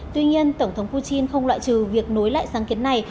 tuy nhiên tổng thống putin không loại trừ việc nối lại sáng kiến này